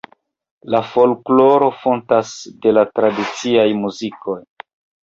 La folkloro fontas de la tradiciaj muzikoj.